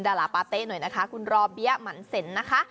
ดาราปาเต้หน่อยนะคะคุณรอเบี้ยหมั่นเซ็นนะคะ